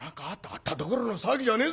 「あったどころの騒ぎじゃねえぜ！